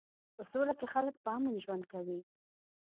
په سوله کې خلک په امن ژوند کوي.